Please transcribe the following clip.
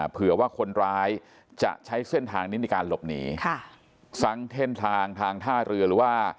เผื่อว่าคนร้ายจะใช้เส้นทางนี้ในการหลบหนีค่ะซ้ำเส้นทางทางท่าเรือหรือว่า